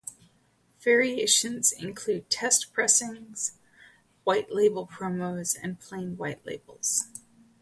Variations include test pressings, white label promos, and plain white labels.